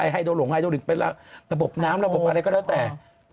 ไฮโดหลงไฮโดริกเป็นระบบน้ำระบบอะไรก็แล้วแต่